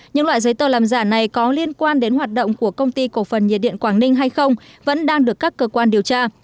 những loại giấy tờ làm giả này có liên quan đến hoạt động của công ty cổ phần nhiệt điện quảng ninh hay không vẫn đang được các cơ quan điều tra